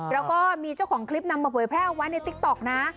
แล้วก็มีเจ้าของคลิปนำมาเผยแพร่เอาไว้ในติ๊กต๊อกนะ